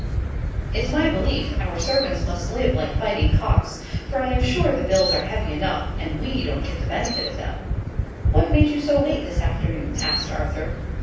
It's my belief, our servants must live like fighting cocks; for I am sure the bills are heavy enough, and we don't get the benefit of them." "What made you so late this afternoon?" asked Arthur.